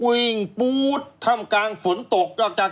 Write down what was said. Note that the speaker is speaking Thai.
วิ่งปู๊ดทำกลางฝนตกนอกจาก